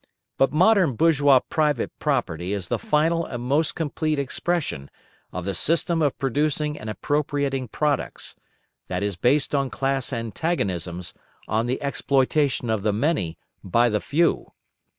But modern bourgeois private property is the final and most complete expression of the system of producing and appropriating products, that is based on class antagonisms, on the exploitation of the many by the few.